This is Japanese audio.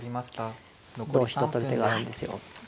同飛と取る手があるんですよ。